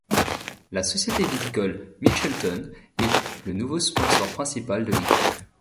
La société viticole Mitchelton est le nouveau sponsor principal de l'équipe.